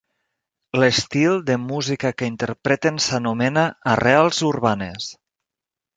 L'estil de música que interpreten s'anomena arrels urbanes.